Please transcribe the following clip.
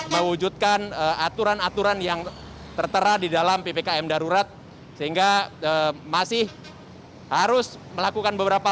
mewujudkan aturan aturan yang tertera di dalam ppkm darurat sehingga masih harus melakukan beberapa